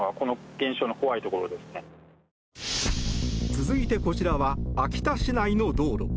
続いて、こちらは秋田市内の道路。